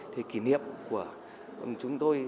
thì kỷ niệm của chúng tôi